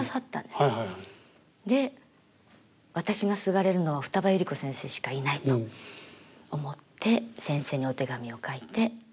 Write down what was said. で私がすがれるのは二葉百合子先生しかいないと思って先生にお手紙を書いて。